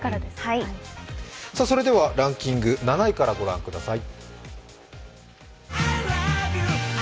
それではランキング７位からご覧ください。